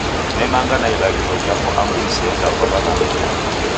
Nemanga na ilaghiro japo angu siendaa kwa w'aghanga.